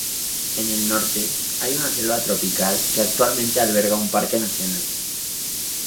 En el norte, hay una selva tropical, que actualmente alberga un parque nacional.